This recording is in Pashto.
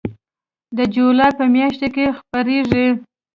د جولای په میاشت کې خپریږي